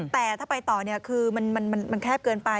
แต่ถ้าไปต่อคือมันแคบเกินไป